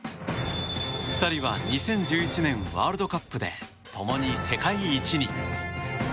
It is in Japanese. ２人は、２０１１年ワールドカップで共に世界一に。